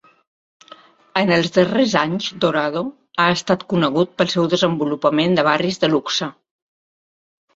En els darrers anys, Dorado ha estat conegut pel seu desenvolupament de barris de luxe.